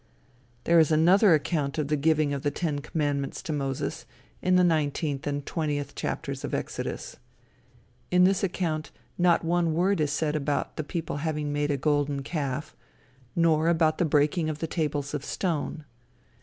There is another account of the giving of the ten commandments to Moses, in the nineteenth and twentieth chapters of Exodus. In this account not one word is said about the people having made a golden calf, nor about the breaking of the tables of stone.